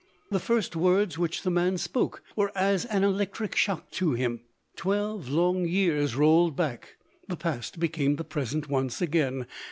The first words which the man spoke were as an electric shock to him. Twelve long years rolled back — the past became the present once again.